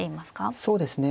そうですね。